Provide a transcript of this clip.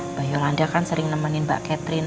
mba yolanda kan sering nemenin mba catherine